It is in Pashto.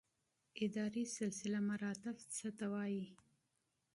اداري سلسله مراتب څه ته وایي؟